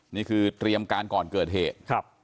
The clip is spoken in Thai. นี่คือเตรียมการก่อนเกิดเหตุครับ